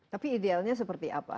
tapi idealnya seperti apa